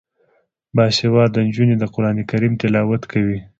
باسواده نجونې د قران کریم تلاوت کوي.